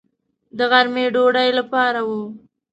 د غرمې ډوډۍ لپاره و.